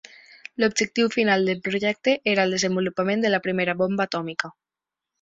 L'objectiu final del projecte era el desenvolupament de la primera bomba atòmica.